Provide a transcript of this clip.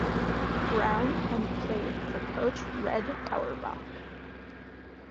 Brown and played for coach Red Auerbach.